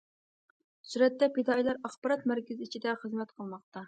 سۈرەتتە، پىدائىيلار ئاخبارات مەركىزى ئىچىدە خىزمەت قىلماقتا.